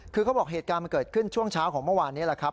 คือเขาบอกเหตุการณ์มันเกิดขึ้นช่วงเช้าของเมื่อวานนี้แหละครับ